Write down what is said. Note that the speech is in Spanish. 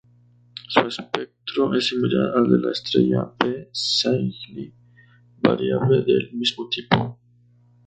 Su espectro es similar al de la estrella P Cygni, variable del mismo tipo.